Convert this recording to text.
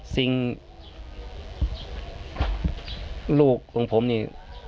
สิ่งลูกของผมนี่